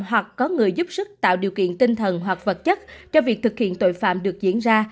hoặc có người giúp sức tạo điều kiện tinh thần hoặc vật chất cho việc thực hiện tội phạm được diễn ra